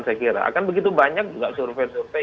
saya kira akan begitu banyak juga survei survei